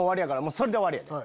それで終わりやで！